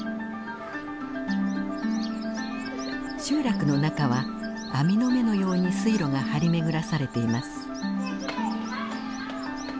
集落の中は網の目のように水路が張り巡らされています。